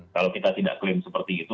kalau kita tidak klaim seperti itu